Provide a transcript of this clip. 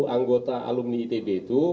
anggota alumni itb itu